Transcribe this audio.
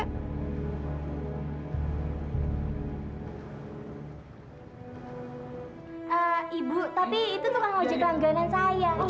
bu ibu tapi itu tukang wujud langganan saya